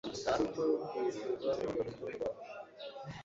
gutyo kwishyuza urwibutso rwacu